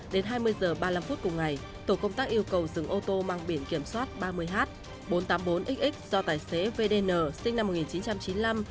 đến hai mươi h ba mươi năm phút cùng ngày tổ công tác yêu cầu dừng ô tô mang biển kiểm soát ba mươi h bốn trăm tám mươi bốn xx do tài xế vdn sinh năm một nghìn chín trăm chín mươi năm